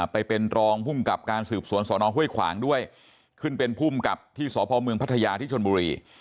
ไปเป็นรองภูมิกับการสืบสวนสอนองห้วยขวางด้วยขึ้นเป็นภูมิกับที่สพเมืองพัทยาที่ชนบุรี